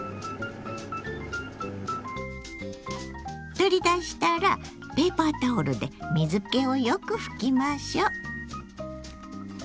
取り出したらペーパータオルで水けをよく拭きましょう。